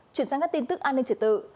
chuyển sang các tin tức an ninh triệt tự